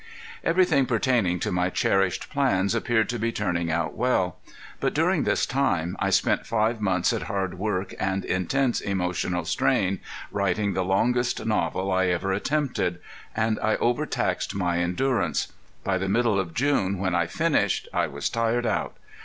Everything pertaining to my cherished plans appeared to be turning out well. But during this time I spent five months at hard work and intense emotional strain, writing the longest novel I ever attempted; and I over taxed my endurance. By the middle of June, when I finished, I was tired out.